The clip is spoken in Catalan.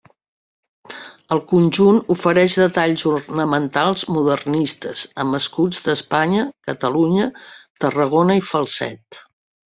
El conjunt ofereix detalls ornamentals modernistes, amb escuts d'Espanya, Catalunya, Tarragona i Falset.